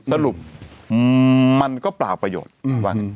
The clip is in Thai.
สรุปมันก็เปล่าประโยชน์ว่า